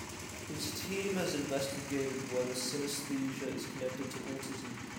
His team has investigated whether synaesthesia is connected to autism.